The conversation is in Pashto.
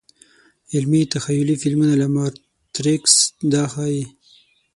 علمي – تخیلي فلمونه لکه ماتریکس دا ښيي.